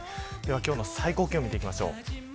今日の最高気温を見ていきます。